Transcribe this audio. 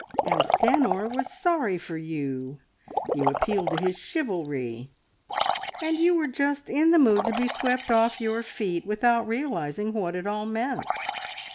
and Stanor was sorry for you, you appealed to his chivalry, and you were just in the mood to be swept off your feet, without realising what it all meant.